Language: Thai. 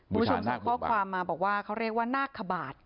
บูชาข้อความมาบอกว่าเค้าเรียกว่านาคบาท